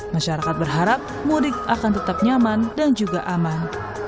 masyarakat berharap mudik akan tetap nyaman dan juga aman